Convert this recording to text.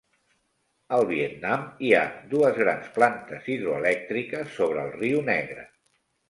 Al Vietnam hi ha dues grans plantes hidroelèctriques sobre el riu Negre.